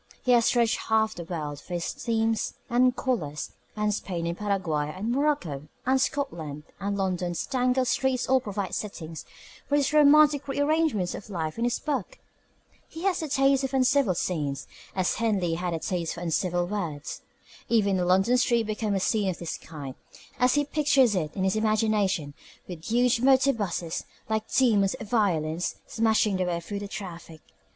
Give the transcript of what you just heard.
He has dredged half the world for his themes and colours, and Spain and Paraguay and Morocco and Scotland and London's tangled streets all provide settings for his romantic rearrangements of life in this book. He has a taste for uncivil scenes, as Henley had a taste for uncivil words. Even a London street becomes a scene of this kind as he pictures it in his imagination with huge motorbuses, like demons of violence, smashing their way through the traffic.